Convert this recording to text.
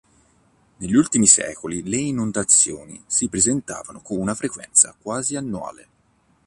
Negli ultimi secoli le inondazioni si presentavano con una frequenza quasi annuale.